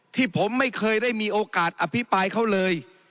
ที่ผมไม่เคยได้มีโอกาสอภิปรายเขาเลย